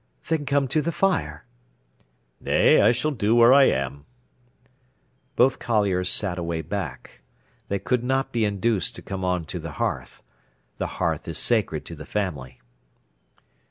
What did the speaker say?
"Then come to the fire." "Nay, I s'll do where I am." Both colliers sat away back. They could not be induced to come on to the hearth. The hearth is sacred to the family.